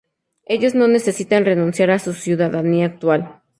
Ellos no necesitan renunciar a su ciudadanía actual.